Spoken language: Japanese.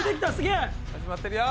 始まってるよ。